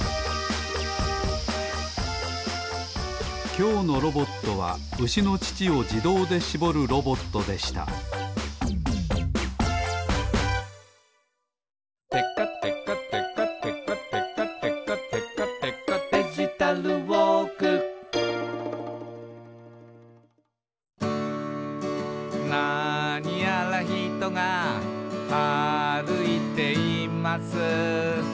きょうのロボットはうしのちちをじどうでしぼるロボットでした「てかてかてかてかてかてかてかてか」「デジタルウォーク」「なにやらひとが歩いています」